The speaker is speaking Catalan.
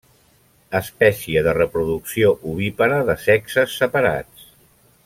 Espècie de reproducció ovípara, de sexes separats.